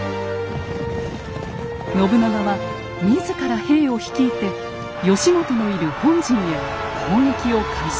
信長は自ら兵を率いて義元のいる本陣へ攻撃を開始。